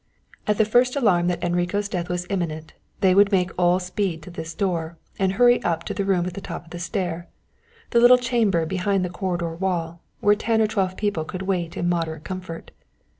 At the first alarm that Enrico's death was imminent, they would make all speed to this door, and hurry up to the room at the top of the stair, the little chamber behind the corridor wall, where ten or twelve people could wait in moderate comfort.